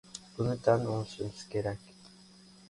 Buni tan olishimiz kerak.